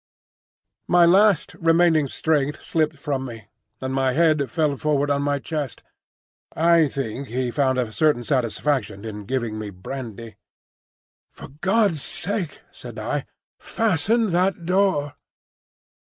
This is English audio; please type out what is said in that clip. My last remaining strength slipped from me, and my head fell forward on my chest. I think he found a certain satisfaction in giving me brandy. "For God's sake," said I, "fasten that door."